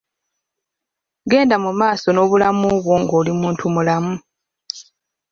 Genda mu maaso nobulamu bwo ng'oli muntu mulamu.